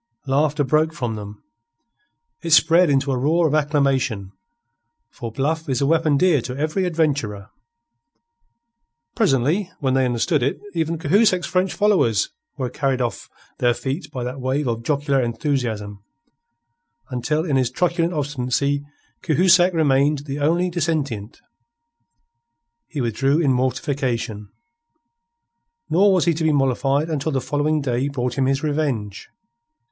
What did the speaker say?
Laughter broke from them. It spread into a roar of acclamation; for bluff is a weapon dear to every adventurer. Presently, when they understood it, even Cahusac's French followers were carried off their feet by that wave of jocular enthusiasm, until in his truculent obstinacy Cahusac remained the only dissentient. He withdrew in mortification. Nor was he to be mollified until the following day brought him his revenge.